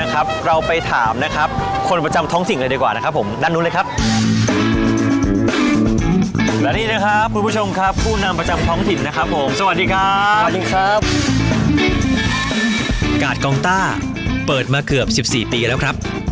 กาดกองต้าเปิดมาเกือบ๑๔ปีแล้วครับ